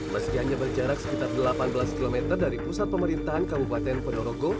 meski hanya berjarak sekitar delapan belas km dari pusat pemerintahan kabupaten ponorogo